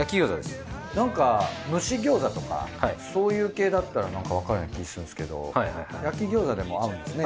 なんか蒸し餃子とかそういう系だったらわかるような気がするんですけど焼き餃子でも合うんですね。